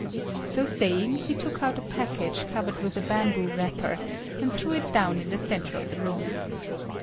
So saying, he took out a package covered with a bamboo wrapper, and threw it down in the center of the room.